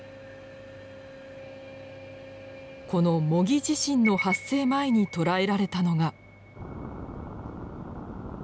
この模擬地震の発生前に捉えられたのが。